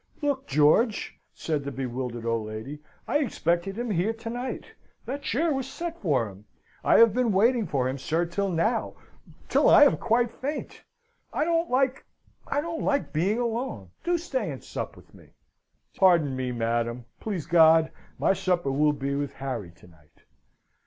"Look, George!" said the bewildered old lady "I expected him here to night that chair was set for him I have been waiting for him, sir, till now till I am quite faint I don't like I don't like being alone. Do stay an sup with me!" "Pardon me, madam. Please God, my supper will be with Harry tonight!"